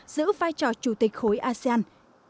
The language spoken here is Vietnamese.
giữ vai trò chủ tịch khối asean